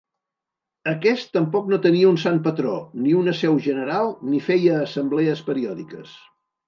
Aquest tampoc no tenia un sant patró, ni una seu general ni feia assemblees periòdiques.